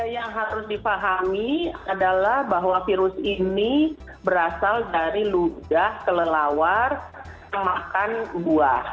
yang harus dipahami adalah bahwa virus ini berasal dari ludah kelelawar makan buah